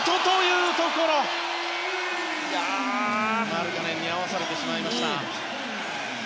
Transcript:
マルカネンに合わされました。